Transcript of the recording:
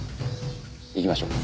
行きましょう。